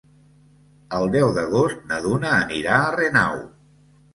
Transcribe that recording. El deu d'agost na Duna anirà a Renau.